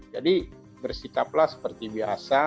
jadi bersitaplah seperti biasa